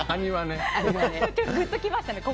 ぐっときましたね。